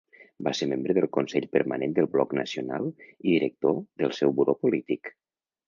Va ser membre del Consell Permanent del Bloc Nacional i director del seu buró polític.